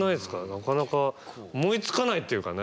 なかなか思いつかないっていうかね。